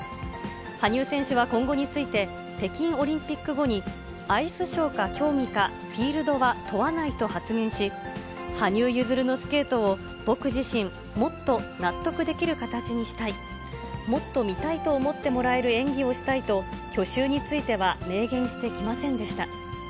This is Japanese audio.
羽生選手は今後について、北京オリンピック後にアイスショーか競技か、フィールドは問わないと発言し、羽生結弦のスケートを僕自身、もっと納得できる形にしたい、もっと見たいと思ってもらえる演技をしたいと、去就については明言してきませんでした。